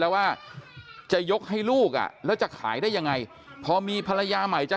แล้วว่าจะยกให้ลูกอ่ะแล้วจะขายได้ยังไงพอมีภรรยาใหม่จะ